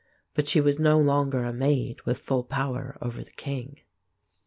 But she was no longer a Maid with full power over the king.